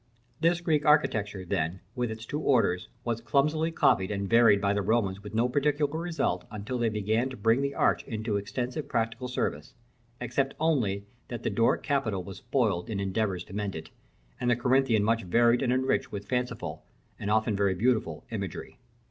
This Greek architecture, then, with its two orders, was clumsily copied and varied by the Romans with no particular result, until they begun to bring the arch into extensive practical service; except only that the Doric capital was spoiled in endeavors to mend it, and the Corinthian much varied and enriched with fanciful, and often very beautiful imagery.